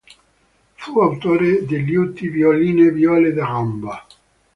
Fu autore di liuti, violini e viole da gamba.